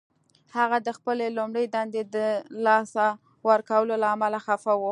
هغه د خپلې لومړۍ دندې د لاسه ورکولو له امله خفه و